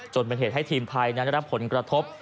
จนเป็นเหตุให้ทีมไทยนั้นได้รับผลกระทบ